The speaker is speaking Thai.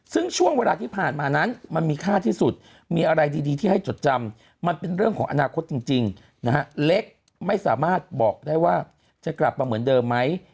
ซึ่งช่วงเวลาที่ผ่านมานั้นมันมีค่าที่สุดมีอะไรดีที่ให้จดจำมันเป็นเรื่องของอนาคตจริงนะฮะเล็กไม่สามารถบอกได้ว่าจะกลับมาเหมือนเดิมไหม